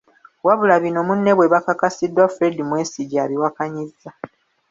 Wabula bino munne bwe bakakasiddwa Fred Mwesigye, abiwakanyizza